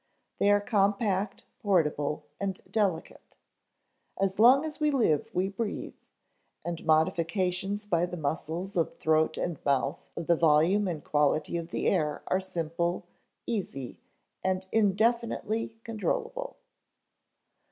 They are compact, portable, and delicate. As long as we live we breathe; and modifications by the muscles of throat and mouth of the volume and quality of the air are simple, easy, and indefinitely controllable.